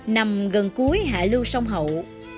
nằm gần cuối hạ lưu sông hậu